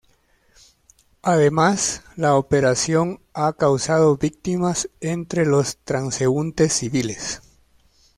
Además, la operación ha causado víctimas entre los transeúntes civiles.